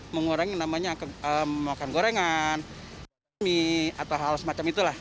mengurangi namanya makan gorengan mie atau hal semacam itulah